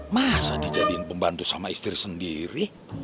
masa dijadiin pembantu sama istri sendiri